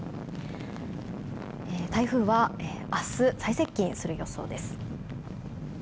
台風は明日最接近する予想です。